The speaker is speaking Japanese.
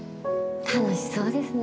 楽しそうですね。